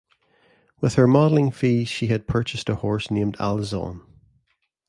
With her modelling fees, she had purchased a horse, named Alezon.